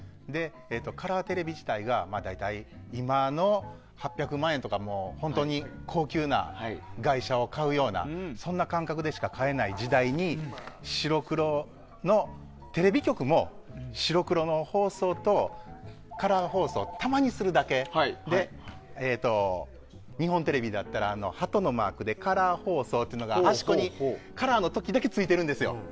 カラーテレビ自体が、大体今の８００万円とか本当に高級な外車を買うようなそんな感覚でしか買えない時代にテレビ局も、白黒の放送とカラー放送をたまにするだけで日本テレビだったらハトのマークでカラー放送っていうのが端っこにカラーの時だけついてるんですよ。